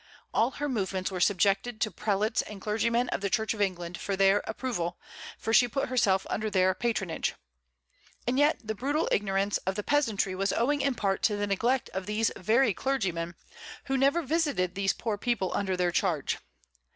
All her movements were subjected to prelates and clergymen of the Church of England for their approval; for she put herself under their patronage. And yet the brutal ignorance of the peasantry was owing in part to the neglect of these very clergymen, who never visited these poor people under their charge.